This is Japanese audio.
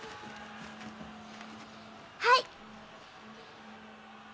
はい！